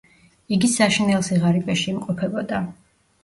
იგი საშინელ სიღარიბეში იმყოფებოდა.